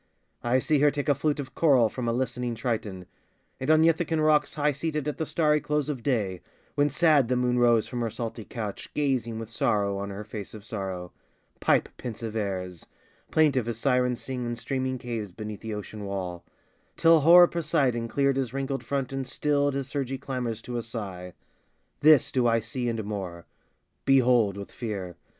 I see her take a flute of coral from A listening Triton; and on Ithakan rocks High seated at the starry close of day, When sad the moon rose from her salty couch, Gazing with sorrow on her face of sorrow, Pipe pensive airs, plaintive as Sirens sing In streaming caves beneath the ocean wall, Till hoar Poseidon cleared his wrinkled front And stilled his surgy clamors to a sigh. This do I see, and more: Behold, with fear!